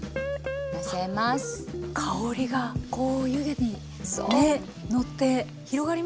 香りがこう湯気にね乗って広がりますね。